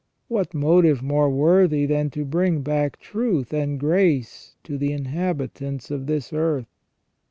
What motive more worthy than to bring back truth and grace to the inhabitants of this earth